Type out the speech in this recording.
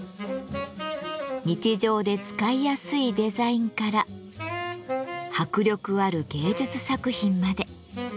日常で使いやすいデザインから迫力ある芸術作品まで。